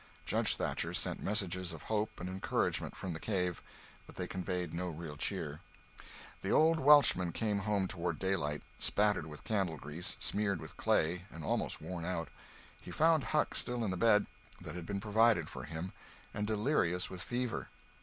Judge Thatcher sent messages of hope and encouragement from the cave, but they conveyed no real cheer. The old Welshman came home toward daylight, spattered with candle grease, smeared with clay, and almost worn out. He found Huck still in the bed that had been provided for him, and delirious with fever.